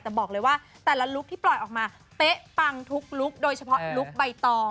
แต่บอกเลยว่าแต่ละลุคที่ปล่อยออกมาเป๊ะปังทุกลุคโดยเฉพาะลุคใบตอง